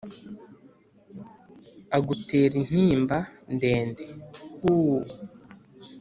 agutera intimba ndende huuuuu